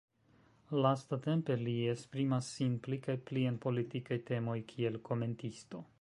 Lastatempe li esprimas sin pli kaj pli en politikaj temoj kiel komentisto.